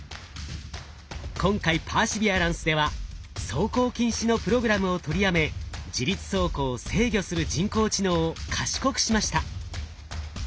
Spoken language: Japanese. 今回パーシビアランスでは走行禁止のプログラムを取りやめ自律走行を制御する人工知能を賢くしました。